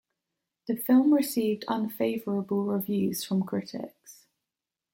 The film received unfavorable reviews from critics.